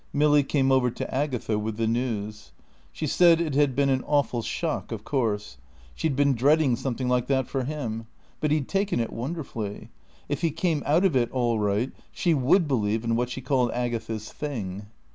Milly came over to Agatha with the news. She said it had been an awful shock, of course. She'd been dreading something like that for him. But he'd taken it wonderfully. If he came out of it all right she would believe in what she called Agatha's "thing."